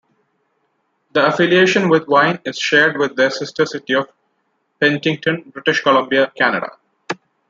The affiliation with wine is shared with their sister-city of Penticton, British Columbia, Canada.